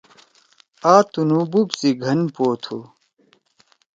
آ تُنُو بوپ سی گھن پو تُھو۔